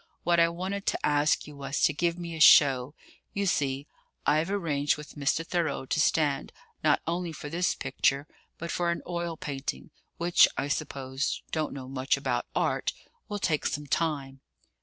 What I wanted to ask you was to give me a show. You see, I've arranged with Mr. Thorold to stand, not only for this picture, but for an oil painting, which I suppose don't know much about art will take some time."